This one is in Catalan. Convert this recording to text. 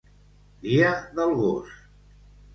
Dia del gos.